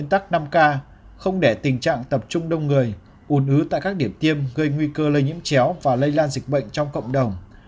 công tác năm k không để tình trạng tập trung đông người ùn ứ tại các điểm tiêm gây nguy cơ lây nhiễm chéo và lây lan dịch bệnh trong cộng đồng